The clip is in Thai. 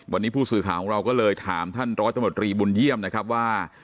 วันนี้ผู้สื่อข่าวของเราก็เลยถามท่านร้อยตำรวจรีบุญเยี่ยมนะครับว่า